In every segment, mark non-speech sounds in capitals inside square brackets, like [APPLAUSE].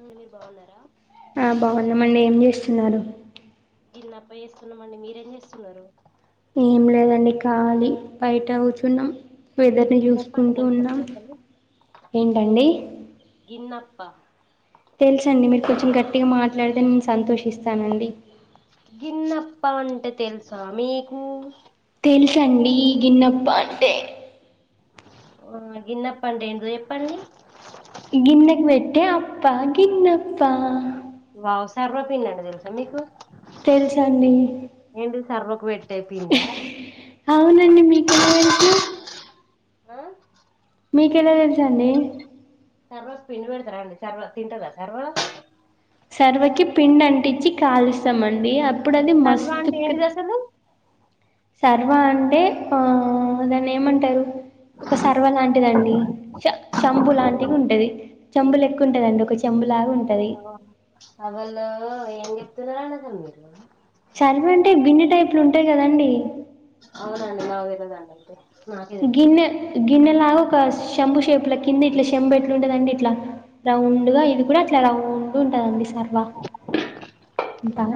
మీర్ బావున్నారా ఆ బావున్నామండి ఏం జేస్తున్నారు. గిన్న అప్పా ఏస్తున్నామండి, మీరేం జేస్తున్నారు. ఏం లేదండి కాలి బయట కూచున్నాం. వెదర్ని గిన్నప్ప అంటే చూసుకుంటూ తెలుసా ఉన్నాం, మీకు అసలు ఏంటండి. గిన్నప్ప తెల్సఅండి మీరు కొంచెం గట్టిగా మాట్లాడితే నేను సంతోషిస్తానండి. గిన్నప్ప అంటే తెలుసా మీకు. తెల్సండి గిన్నప్ప అంటే. ఆ గిన్నప్ప అంటే ఏందో చెప్పండి. గిన్నెకి పెట్టే అప్ప గిన్నప్ప. వావో. సర్వ పిండి అంటే తెల్సా మీకు. తెల్సండి ఏంటి సర్వకు వేట్ పెట్టే పిండ అవునండి మీకెలా తెలుసు ఆ మీకేలా తెల్సండి సర్వాక్ పిండి పెడతారా అండి, సర్వ తింటదా సర్వ. సర్వకి పిండి అంటించి కాలుస్తామండి, అప్పుడు అది సర్వ మస్తు అంటే కుక్ ఏంటిది అసలు సర్వ అంటే ఆ దాన్నేమంటారు ఒక సర్వ లాంటిదండి, చ చంబు లాంటివి ఉంటది. చెంబు లేక్క ఉంటదండి, ఒక చెంబులాగా ఉంటది. [UNINTELLIGIBLE] ఏం జెప్తున్నారండీ అసల్ మీరు. చర్వ అంటే బిందె టైప్ లో ఉంటాది కదండి. అవునా అండి, నాకు తెలువదండి అయితే నాకే తెలవదు గిన్నె గిన్నె లాగా ఒక శంభు షేప్ ల కింద ఇట్లా శెంభు ఎట్లా ఉంటదండి ఇట్లా. రౌండ్గా ఇది కూడా అట్లా రౌండ్ ఉంటదండి సర్వా.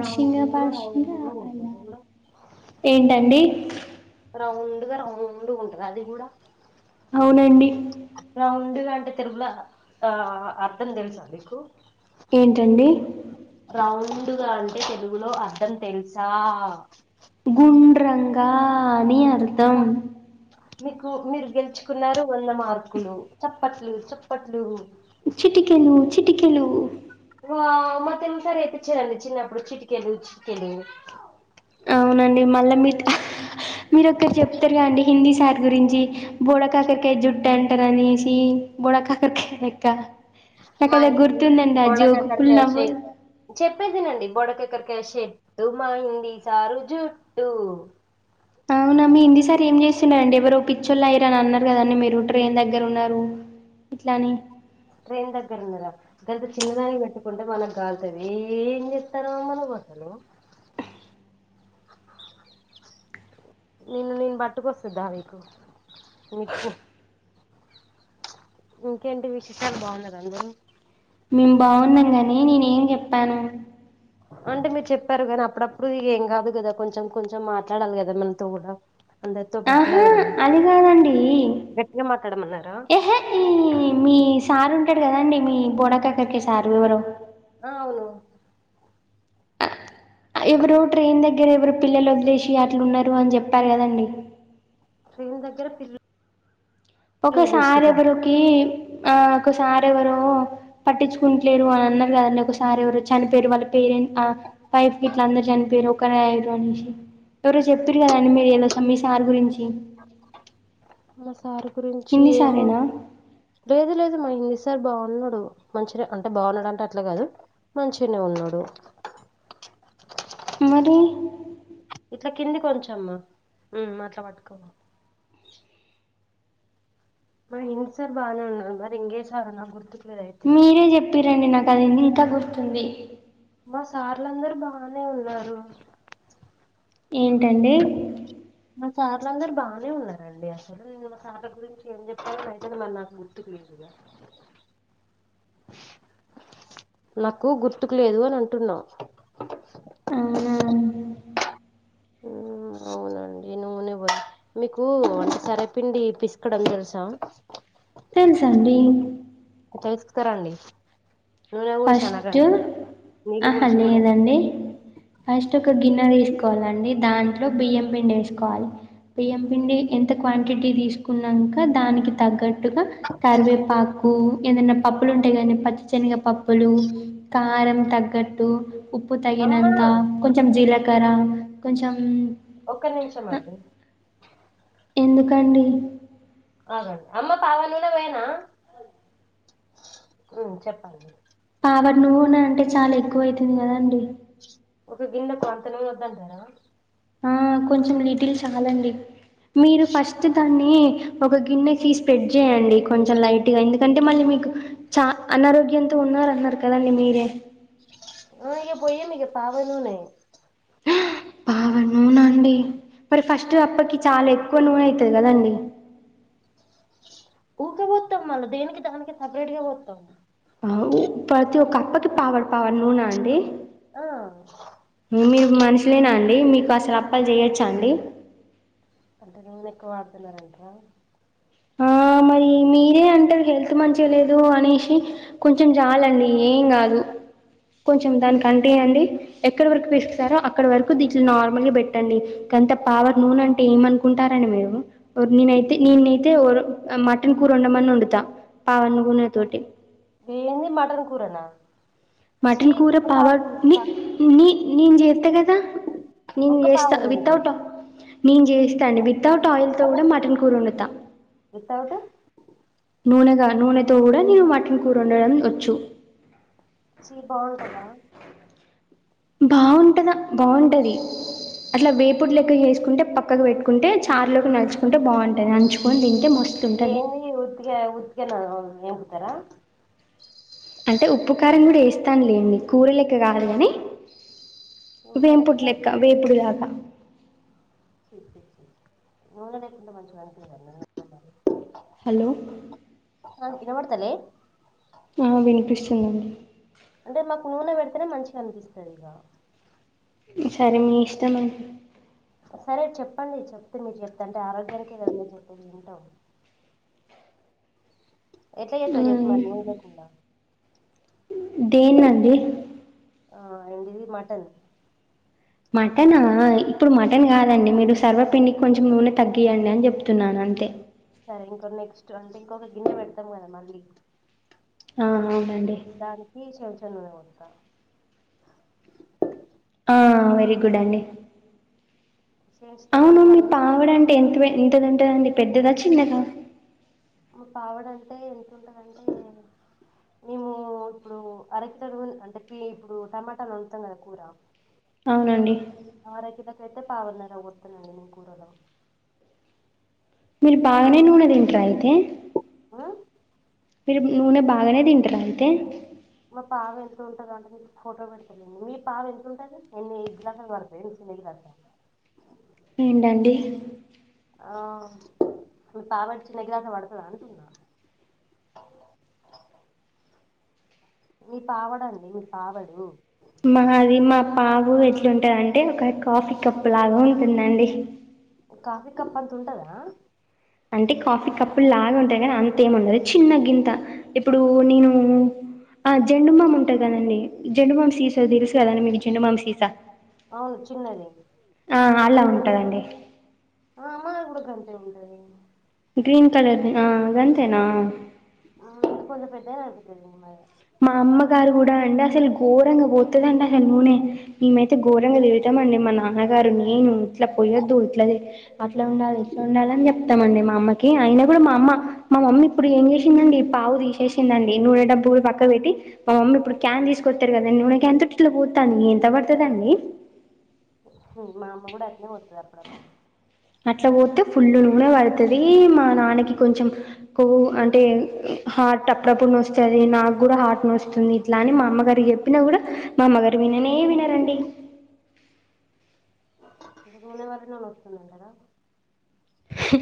రౌండ్ భాషింగా రౌండ్ ఉంటది బలాల్, ఏంటండి రౌండ్గా, రౌండ్గా ఉంటద అది గుడా. అవునండి నా ఉందుగా అంటే తెిరుగులా ఆ అర్థం తెలుసా మీకు ఏంటండి రౌండ్గా అంటే తెలుగులో అర్థం తెలుసా గుండ్రంగా అని అర్ వ మీకు మీరు గెలుచుకున్నారు వంద మార్కులు చప్పట్లు చప్పట్లు చిటికెలు చిటికెలు వావ్ మా తెలుగు సర్ ఎపిచ్చారండి చిన్నప్పుడు చిటికెళ్లు చిటికెళ్లు అవునండి మళ్ళా మీ మీరోక్కరు చెప్తారుగా అండి హిందీ సార్ గురించి బొడా కాకరకై జుట్టు అంటరనేసి బొడా కాకరకై లెక్క మా నాకదే హిందీ గుర్తుందండి ఆ జ్యోకు పుల్ బొడకాకరకాయ నవ్వు షేక్ చెప్పేదినండి బొడ కాకరకై షేట్టు మా హిందీ సారు జుట్టు అవునా మీ ఇంది సార్ ఏం చేస్తున్నారండి ఎవరో పిచ్చోళ్ళు అయిరు అని అన్నారు కదండి మీరు ట్రైన్ దగ్గర ఉన్నారు ఇట్లని ట్రెయిన్ దగ్గర ఉన్నరా గంత చిన్న దానికి పెట్టుకుంటే మనకు గాల్తది ఏం చేస్తారు మనకు అసలు నిన్న నేను బట్టుకొస్తద్దా మీకు నిప్పు ఇంకేంటి విశేషాలు బాగున్నార అందరు మేము బాగున్నాం గాని నేనే ఏం చెప్పాను అంటే మీరు చెప్పారు కానీ అప్పుడప్పుడు ఏం కాదు కదా కొంచెం కొంచెం మాట్లాడాలి కదా మనతో కూడా అందరితో ఆహా మాట్లాడాలి కదా అది కాదండి గట్టిగా మాట్లాడమన్నారా ఏహే ఈ మీ సారు ఉంటాడు కదండి మీ బోడ కాకరకై సారు ఎవరో ఆవును ఎవరు ట్రైన్ దగ్గర ఎవరు పిల్లలు వదిలేసి అట్లున్నారు అని చెప్పారు కదండి ట్రెన్ దగ్గర పిల్ ఒకసారు ఎవరుకి ఆ ఒకసార్ ఎవరో పట్టించుకుంటలేరు అని అన్నారు కదండి ఒకసారు ఎవరో చనిపోయిరు వాళ్ళ పేరెంట్ ఆ వైఫ్ గిట్ల అందరు చనిపోయిరు కన ఎవరో అనేసి ఎవరో చెప్పిరు కదాండి మీరు ఎలొ స మీ సర్ గురించి మా సార్ గురించి హిందీ ఏమో సారేనా లేదు లేదు మా హింది సార్ బాగున్నడు మంచినే అంటే బాగున్నాడు అంటే అట్లా కాదు మంచినే ఉన్నాడు మరి ఇట్ల కింది కొంచమ్మ ఉ అట్ల పట్టుకో మా హిందీ సార్ బానే ఉన్నాడు మరి ఇంగే సారో నాక్ గుర్తు మీరే చెప్పిరండి నాకు అది ఇంకా గుర్తుంది మా సార్లుందరు బానే ఉన్నారు ఏంటండి మా సార్లు అందరు బానే ఉన్నారండి అసలు నేను మా సార్ల గురించి ఏం చెప్పాని అయితే అది మరి నాకు గుర్తుకులే ఇదా నాకు గుర్తుకు లేదు అని అంటున్నా అవునా అవునండి నూనె బొ మీకు అంటే సరపిండి పిసుకడం తెలుసా తెలుసండి తీసుకారండి ఫస్ట్ ఆహా లేదండి [UNINTELLIGIBLE] ఫస్ట్ ఒక గిన్నె తీసుకోవాలండి దాంట్లో బియ్యం పిండి వేసుకోవలి బియ్యం పిండి ఎంత క్వాంటిటీ తీసుకున్నక దానికి తగ్గ [UNINTELLIGIBLE] [UNINTELLIGIBLE] కరివేపాకు ఏదన పప్పులు ఉంటాయి గాని పచ్చిశనిగ పప్ [UNINTELLIGIBLE] కారం తగ్గట్టు ఉప్పు అమ్మా తగినంత కొంచెం జీలకర్ర కొంచెం ఒక్క నిమిషం హ, అండి ఎందుకండి ఉ చెప్పండి [UNINTELLIGIBLE] అంటే చాలా ఎక్కువ అవుతుంది కదండి ఒక గిన్నె [UNINTELLIGIBLE] వద్దంటార ఆ కొంచెం లిటిల్ చాలండి మీరు ఫస్ట్ దాన్ని ఒక గిన్నెకి స్ప్రెడ్ చేయ్యండి కొంచెం లైట్ గా ఎందుకంటే మళ్ళీ మీకు చ అనారోగ్య అంత ఉన్నారు అన్నారు కదా అండి మీరే [UNINTELLIGIBLE] [UNINTELLIGIBLE] చాలా ఎక్కువ నూనె అయితది కదండి ఊకే పోతాం మళ్ళ దీనికి దానికి సపరేట్ గా [UNINTELLIGIBLE] ప్రతి ఒక్క అప్పకి [UNINTELLIGIBLE] నూన అండి ఆ మీరు మనుషులేన అండి మీకు అసలు అప్పలు చెయొచ్చ అండి అంటే నూనె ఎక్కువ వాడుతున్నారాంట్ర ఆ మరి మీరే [UNINTELLIGIBLE] హెల్త్ మంచిగా లేదు అనేసి కొంచెం చాలండి ఏం కాదు కొంచెం దానికి అంటి అండి ఎక్కడి వరకు వస్ అక్కడ వరకు దీట్లో నార్మల్ పెట్టండి కొంత పవ [UNINTELLIGIBLE] నూన అంటే ఏమనుకుంటారండి మీరు నేనైతే నేనైతే మటన్ కూర వండమన్న వండుత [UNINTELLIGIBLE] తోటి [UNINTELLIGIBLE] మటన్ కూరన మటన్ కూర పా- [UNINTELLIGIBLE] నీ నేను చేస్తా కద నేను ఒక్క పావు చేస్త నూనె వితౌట్ నేను చేస్త అండి వితౌట్ ఆయిల్తో కూడ మటన్ కూర వండుతా వితౌట్ నూనెగ నూనెతో కూడ నేను మటన్ కూర వండడం వచ్చు చి బాగుంటద బాగుంటద బాగుంటది అట్లా వేపుడు లెక్క చేసుకుంటే పక్కకు పెట్టుకుంటే చారులోకి నడుచుకుంటే బాగుంటాయి నంచుకొని తింటే మ ఏమి [UNINTELLIGIBLE] ఉత్గ ఉత్గ [UNINTELLIGIBLE] అంటే ఉప్పు కారం కూడ వేస్తాను లేండి కూరలెక్క కాదు కానీ మరి వేంపుడు ఎట్లా లెక్క వేపుడిలాగ [UNINTELLIGIBLE] మంచి [UNINTELLIGIBLE] హలో ఆ విన బడతలే ఆ వినిపిస్తుంది అండి అంటే మాకు నూనె పెడితేనే మంచిగ అనిపిస్తది ఇగ సరే మీ ఇష్టమ [UNINTELLIGIBLE] సరే చెప్పండి చెప్తే మీరు చెప్తే అంటే ఆరోగ్యానికే కద చెప్పే వింటాం ఎట్ల చేస్తావు చెప్పు హ్మ్ మరి నూనె లేకుండా దేన్నండి ఆ అడిది మటన్ మటనా ఇప్పుడు మటన్ కాదండి మీరు సర్వ పిండికి కొంచెం నూనె తగ్గియండి అని చెప్తున్నాను అంతే సరే ఇంకో నెక్స్ట్ అంటే ఇంకొక గిన్నె పెడతాం కదా మళ్ళీ ఆ అవునండి దానికి చెంచా నూనె పోత్తా ఆ వెరీ గుడ్ అండి చెంచుతోటి అవును మీ కొలవాలి పావడంటే ఎంత ఎంతది ఉంటదండి పెద్దద చిన్నద పావడంటే ఎంత ఉంటందంటే మేము ఇప్పుడు అరకు తడువు అంటే ఇప్పుడు టమాటాలు వండుతాం కదా కూర అవునండి ఆర కిలో కైతే పావున్నర పోత్తానండి కూర లొ మీరు బాగానే నూనె తింట్రా అయితే ఆ మీరు నూనె బాగానే తింటరా అయితే మా పావ వెళ్తు ఉంటుందండి మీకు ఫోటో పెడత మీ పావ ఎంతతుంటుది ఎన్ని గ్లాసులు పడతయి చిన్ని గిన్నెడతన్న ఏంటండి ఆ మీ పావాడ్చినగ్లాస ల పడతదా అంటున్నా మీ పావడండి మీ పావడు మాది మా పావు ఎట్లుంటందింటే ఒక కాఫీ కప్పు లాగా ఉంటుందండి కాఫీ కప్అంత ఉంటదా అంటే కాఫీ కప్పులు లాగా ఉంటాయి కానీ అంతేం ఉండదు చిన్నగింత ఇప్పుడు నేను ఆ జండుబామ్ ఉంటంది కదండి జండు బామ్ సీసా తెలుసు కదండి మీకు జెండు బామ్ సీసా అవును చిన్నది ఆ అలా ఉంటదండి ఆ ఆ మా గాంతే ఉంటది గ్రీన్ కలర్ది ఆ గంతేనా ఆ కొంచెం పెద్దేది అవుతదేమో మరి మా అమ్మ గారు కూడా అండి అసలు ఘోరంగా పోత్తదండి అసలు నూనె మేమైతే ఘోరంగ తిడతామండి మా నాన్న గారు నేను ఇట్లా పోయొద్దు ఇట్లా అట్లా ఉండాలి ఇట్లా ఉండాలి అని చెప్తామండి మా అమ్మకి అయిన కూడా మా అమ్మ మా మమ్మీ ఇప్పుడు ఏం చేసిందండి పావు తీసేసిందండి నూనె డబ్బు గూడా పక్క పక్క పెట్టి మా మమ్మీ ఇప్పుడు క్యాన్ తీసుకొస్తారు కదండి నూనె క్యాన్ తుట్లో పోతాను ఎంత పడుతదండి మా అమ్మ కూడా అట్నే పోత్తది అప్పుడప్పుడు అట్లా పోత్తె ఫుల్ నూనె పడుతది మా నాన్నకి కొంచెం కొవ్వు అంటే హార్ట్ అప్పుడప్పుడు నొస్తది నాకు కూడా హార్ట్ నొస్తుంది ఇట్లా అని మా అమ్మగారు చెప్పినా కూడా మా అమ్మగారు విననే వినరండి అంటె నూనె పోస్తేనే నొస్తుందంటారా హ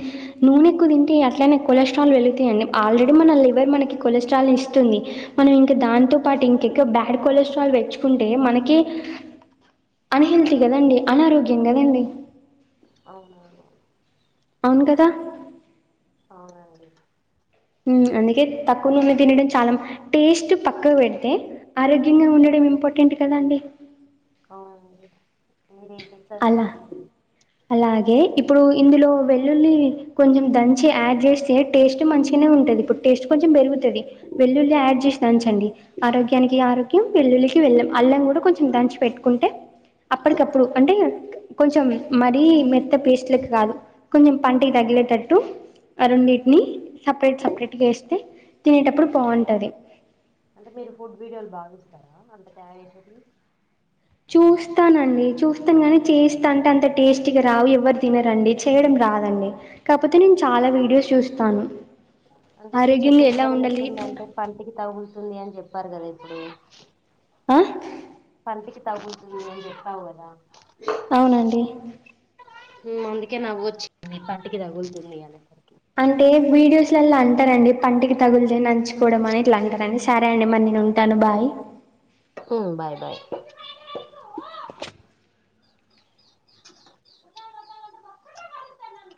నూనెక్కువ తింటే అట్లనే కొలెస్ట్రాల్ వెలుతాయండి ఆల్రెడీ మన లివర్ మనకి కొలెస్ట్రాల్ ని ఇస్తుంది మనం ఇంక దాంతో పాటు ఇంకికా బ్యాడ్ కొలెస్ట్రాల్ వెచ్చుకుంటే మనకి అన్ హెల్తీ కదండి అనారోగ్యం కదండి అవునువును అవును కదా అవునండి అందుకే తక్కువ నూనె తినడం చాలా టేస్ట్ పక్కకు పెడితే ఆరోగ్యంగా ఉండడం ఇంపార్టెంట్ కదా అండి అవును అండి మీర ఏం చెప్తే అది అలా కరెక్ట్ అండి అలాగే ఇప్పుడు ఇందులో వెల్లుల్లి కొంచెం దంచి యాడ్ చేస్తే టేస్ట్ మంచిగానే ఉంటుంది ఇప్పుడు టేస్ట్ కొంచెం పెరుగుతుంది వెల్లుల్లి యాడ్ చేసి దంచండి ఆరోగ్యానికి ఆరోగ్యం వెల్లులి వెళ్ళ అల్లం కూడా కొంచెం దంచి పెట్టుకుంటే అప్పటికప్పుడు ఉ కొంచెం మరీ మెత్త పేస్ట్లలెక్కా కాదు కొంచెం పంటికి తగిలేటట్టు అ రెండిటిని సపరేట్ సపరేట్గా వేస్తే తినేటప్పుడు బాగుంటది అంటే మీరు ఫుడ్ వీడియోలు బాగా చుస్తారా అంత తయారు చేసేటివి చూస్తానండి చూస్తాను కానీ చేస్తా అంటే అంత టేస్టీగా రావు ఎవరు తినరండి చేయడం రాదండి కాకపోతే నేను చాలా వీడియోస్ చూస్తాను అంటే మీరు ఆరోగ్యంగా చెప్పే ఎలా విధానం ఉండాలి ఎట్ందంటే పంటికి తగులుతుంది అని చెప్పారు కదా ఇప్పుడు అ పంటికి తగులుతుంది అని చెప్పావు కదా అవునండి అందుకే నవ్వు వచింది పంటికి తగులుతుంది అనేసరికి అంటే వీడియోస్ లలా అంటారండి పంటికి తగులుతే నంచుకోవడం అని ఇట్లా అంటారండి సరే అండి మరి నేనుంటాను బాయ్ ఉమ్ బాయ్ బాయ్ ఉప్చ్ పెట్ పేట వాయిస్తారు నన్ను